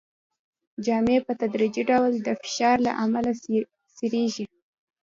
جامې په تدریجي ډول د فشار له امله څیریږي.